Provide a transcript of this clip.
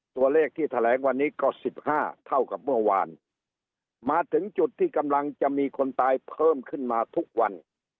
ตัวเลขที่แถลงวันนี้ก็๑๕เท่ากับเมื่อวานมาถึงจุดที่กำลังจะมีคนตายเพิ่มขึ้นมาทุกวัน